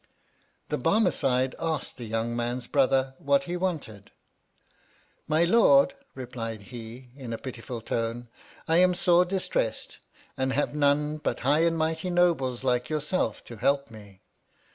The Barmecide asked the young man's brother what he wanted 1 My Lord, replied he, in a pitiful tone, I am sore distressed, and have none but high and mighty nobles like your self, to help me.